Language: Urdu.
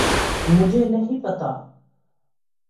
مجھے نہیں پتہ۔